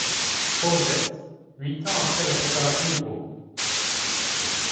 Project, huit ans après la séparation du groupe.